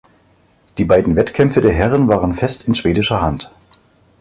Die beiden Wettkämpfe der Herren waren fest in schwedischer Hand.